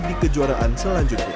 di kejuaraan selanjutnya